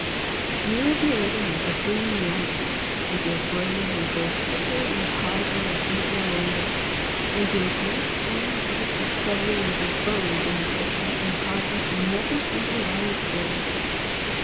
You will be living the baboon life, and your brain will grow thicker and harder as you grow older, and your great scientific discovery will be buried in the thickness and hardness and never see the light of day!